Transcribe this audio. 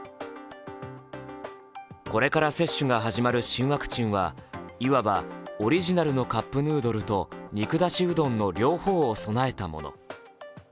これから接種が始まる新ワクチンはいわばオリジナルのカップヌードルと肉だしうどんの両方を備えたもの。